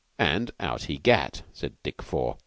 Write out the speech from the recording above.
"And out he gat," said Dick Four.